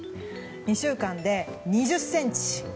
２週間で２０ｃｍ！